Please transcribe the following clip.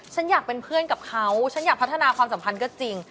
ฉันอยากเป็นเพื่อนกับเขาฉันอยากพัฒนาความสัมพันธ์ก็จริง